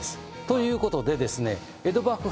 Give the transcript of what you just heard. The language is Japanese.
ということでですね。